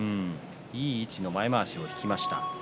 いい位置の前まわしを引いています。